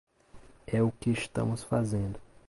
É o que estamos fazendo.